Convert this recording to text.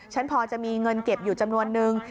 พอจะมีเงินเก็บอยู่จำนวนนึง